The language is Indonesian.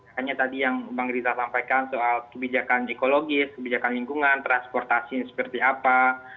hanya tadi yang bang riza sampaikan soal kebijakan psikologis kebijakan lingkungan transportasi seperti apa